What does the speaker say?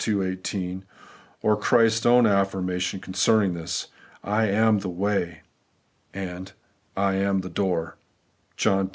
18); or Christ's own affirmation concerning this :' I am the way/ and ' I am the door ' (John x.